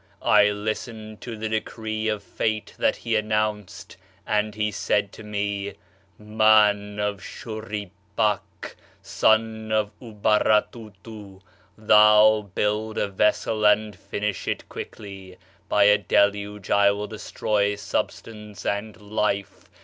I listened to the decree of fate that he announced, and he said to me: " Man of Shurippak, son of Ubaratutu thou, build a vessel and finish it [quickly]. [By a deluge] I will destroy substance and life.